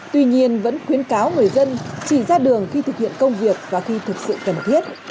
tuy nhiên vẫn khuyến cáo người dân chỉ ra đường khi thực hiện công việc và khi thực sự cần thiết